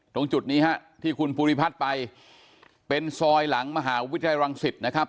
ตรงจุดนี้ฮะที่คุณภูริพัฒน์ไปเป็นซอยหลังมหาวิทยาลัยรังสิตนะครับ